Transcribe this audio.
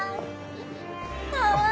かわいい。